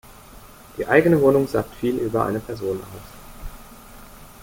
Die eigene Wohnung sagt viel über eine Person aus.